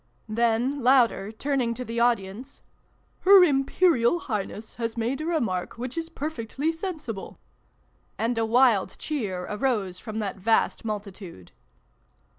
Then louder, turning to the audience, xxi] THE PROFESSOR'S LECTURE. 337 " Her Imperial Highness has made a remark which is perfectly sensible !" And a wild cheer arose from that vast multitude.